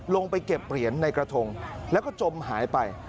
ลงไปเก็บเหรียญในกระทงแล้วก็จมหายไป